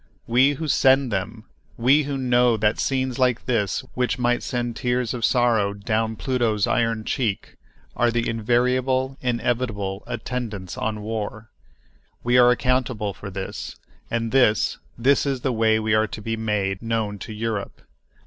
We who send them—we who know that scenes like this, which might send tears of sorrow "down Pluto's iron cheek," are the invariable, inevitable attendants on war—we are accountable for this. And this—this is the way we are to be made known to Europe.